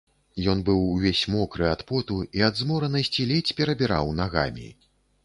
Ён быў увесь мокры ад поту і ад зморанасці ледзь перабіраў нагамі.